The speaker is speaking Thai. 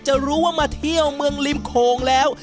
จะรู้ว่ามาเที่ยวเมืองริมโขงแล้ว